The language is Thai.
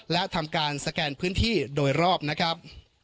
และทำการสแกนพื้นที่โดยรอบนะครับ